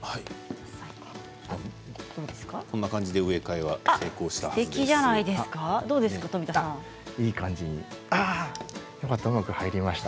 こんな感じで植え替えは成功しました。